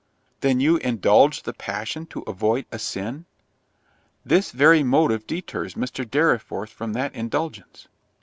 "Then you indulge the passion to avoid a sin?—this very motive deters Mr. Dorriforth from that indulgence."